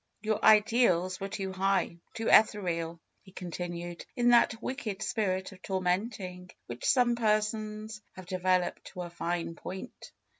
^^Your ideals were too high, too ethereal," he con tinued, in that wicked spirit of tormenting which some persons have developed to a fine point.